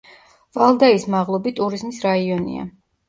ვალდაის მაღლობი ტურიზმის რაიონია.